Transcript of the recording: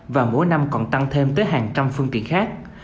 và mỗi năm còn tăng thêm tới hàng trăm phương tiện khác